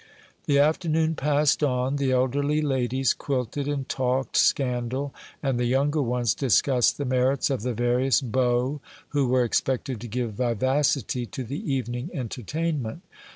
The afternoon passed on, the elderly ladies quilted and talked scandal, and the younger ones discussed the merits of the various beaux who were expected to give vivacity to the evening entertainment.